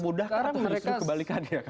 mudah atau justru kebalikannya